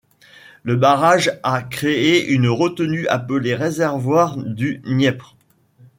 Le barrage a créé une retenue appelée réservoir du Dniepr.